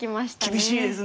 厳しいですね。